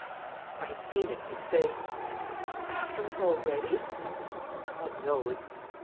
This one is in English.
I had seen it in his face. "After us already?" "God knows!